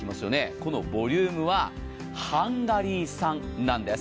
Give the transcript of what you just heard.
このボリュームはハンガリー産なんです。